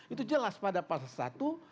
itu jelas pada pasal satu